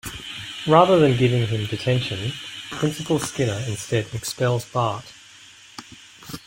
Rather than giving him detention, Principal Skinner instead expels Bart.